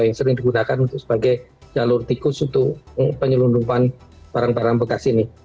yang sering digunakan untuk sebagai jalur tikus untuk penyelundupan barang barang bekas ini